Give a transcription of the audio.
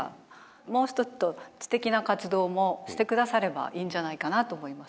もう一つと知的な活動もして下さればいいんじゃないかなと思います。